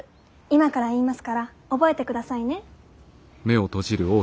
今から言いますから覚えてくださいね。